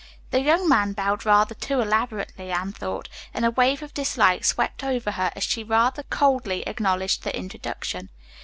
The young man bowed rather too elaborately Anne thought, and a wave of dislike swept over her as she rather coldly acknowledged the introduction.